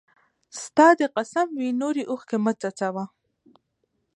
ستا! دي قسم وي نوري اوښکي مه څڅوه